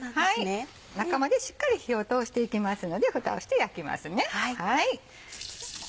中までしっかり火を通していきますのでふたをして焼きます。